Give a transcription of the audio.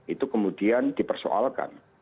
itu kemudian dipersoalkan